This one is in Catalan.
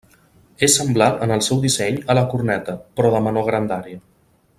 És semblant en el seu disseny a la corneta, però de menor grandària.